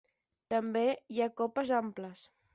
També hi ha copes amples.